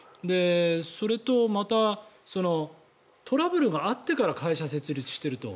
それと、またトラブルがあってから会社を設立していると。